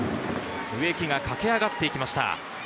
植木が駆け上がっていきました。